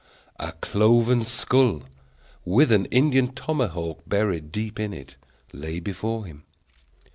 a cloven skull, with an Indian tomahawk buried deep in it, lay before him.